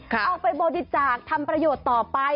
เอาไปบริจาคทำประโยชน์ต่อไป